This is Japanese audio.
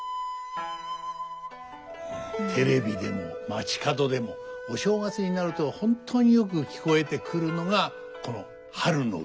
テレビでも街角でもお正月になると本当によく聞こえてくるのがこの「春の海」。